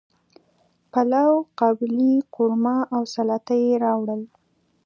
پلاو، قابلی، قورمه او سلاطه یی راوړل